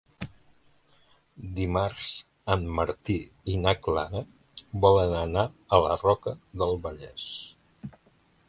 Dimarts en Martí i na Clara volen anar a la Roca del Vallès.